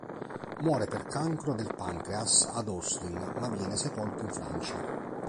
Muore per cancro del pancreas ad Austin, ma viene sepolto in Francia.